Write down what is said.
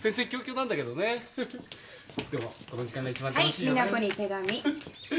はい実那子に手紙。